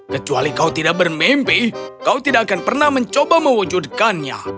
kecuali kau tidak bermimpi kau tidak akan pernah mencoba mewujudkannya